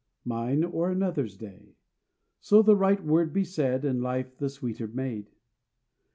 Mine or another's day, So the right word be said And life the sweeter made?